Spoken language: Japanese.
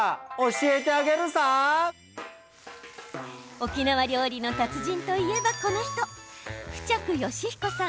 沖縄料理の達人といえば、この人冨着良彦さん。